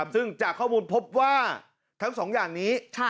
ซึ่งจากข้อมูลพบว่าทั้งสองอย่างนี้